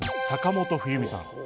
坂本冬美さん